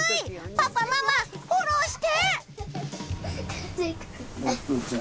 パパママフォローして！